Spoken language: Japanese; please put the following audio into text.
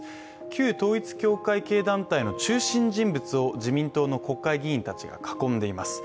旧統一教会系団体の中心人物を自民党の国会議員たちが囲んでいます。